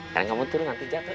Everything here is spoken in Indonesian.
karena kamu turun nanti jatuh